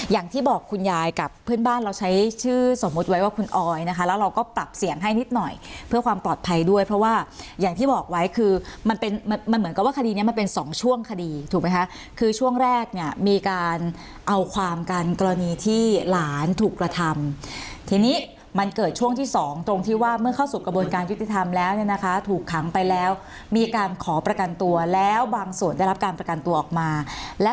อย่างที่บอกคุณยายกับเพื่อนบ้านเราใช้ชื่อสมมติไว้ว่าคุณออยนะคะแล้วเราก็ปรับเสียงให้นิดหน่อยเพื่อความปลอดภัยด้วยเพราะว่าอย่างที่บอกไว้คือมันเป็นมันเหมือนกับว่าคดีนี้มันเป็นสองช่วงคดีถูกไหมคะคือช่วงแรกเนี่ยมีการเอาความกันกรณีที่หลานถูกกระทำทีนี้มันเกิดช่วงที่สองตรงที่ว่าเมื่อเข